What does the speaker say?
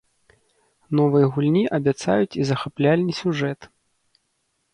Новай гульні абяцаюць і захапляльны сюжэт.